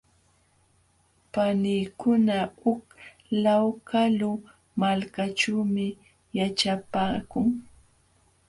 Paniykuna huk law kalu malkaćhuumi yaćhapaakun.